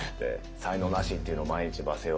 「才能なし」っていうのを毎日罵声を。